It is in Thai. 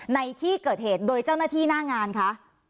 ในที่เกิดเหตุโดยเจ้าหน้าที่หน้างานคะ